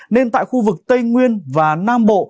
nên tại khu vực tây nguyên và nam bộ